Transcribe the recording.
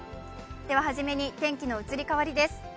初めに天気の移り変わりです。